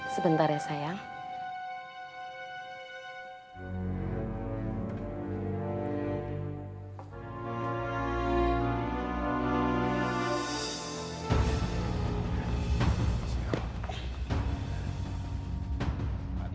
sebentar ya sayang